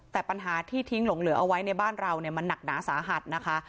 แต่ปัญหาที่ทิ้งหลงเหลือเอาไว้ในบ้านเราเนี่ยมันหนักหนาสาหัสนะคะ